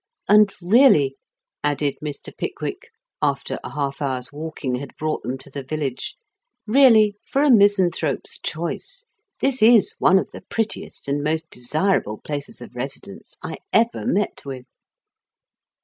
"* And really,' added Mr. Pickwick, after a half hour's walking had brought them to the village, ' really, for a misanthrope's choice, this is one of the prettiest and most desirable places of residence I ever met with.'